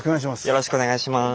よろしくお願いします。